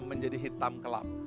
menjadi hitam kelam